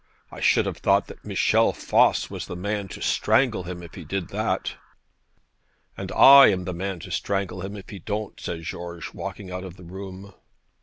I should have thought Michel Voss was the man to strangle him if he did that.' 'And I am the man to strangle him if he don't,' said George, walking out of the room.